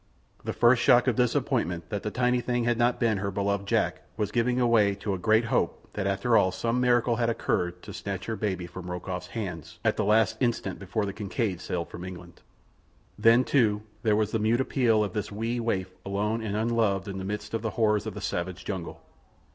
The first shock of disappointment that the tiny thing had not been her beloved Jack was giving way to a great hope that after all some miracle had occurred to snatch her baby from Rokoff's hands at the last instant before the Kincaid sailed from England. Then, too, there was the mute appeal of this wee waif alone and unloved in the midst of the horrors of the savage jungle.